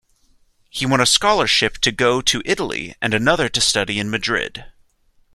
He won a scholarship to go to Italy and another to study in Madrid.